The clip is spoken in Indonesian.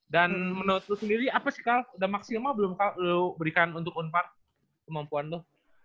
dan menurut lu sendiri apa sih kal udah maksimal belum kal lu berikan untuk unpar kemampuan lu